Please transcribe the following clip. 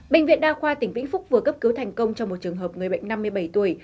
bệnh viện đa khoa tỉnh vĩnh phúc vừa cấp cứu thành công cho một trường hợp người bệnh năm mươi bảy tuổi